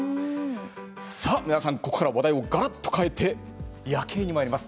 皆さんここからは話題をがらっと変えて夜景にまいります。